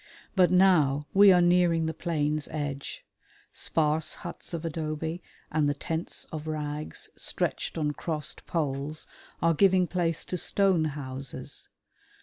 But now we are nearing the plain's edge. Sparse huts of adobe and the tents of rags stretched on crossed poles are giving place to stone houses.